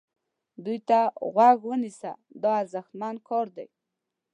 دوی ته غوږ ونیسه دا ارزښتمن کار دی.